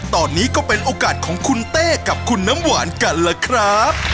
ตอนนี้ก็เป็นโอกาสของคุณเต้กับคุณน้ำหวานกันล่ะครับ